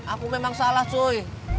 aku memang salah cuy